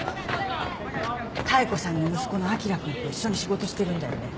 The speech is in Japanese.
妙子さんの息子のあきら君と一緒に仕事してるんだよね？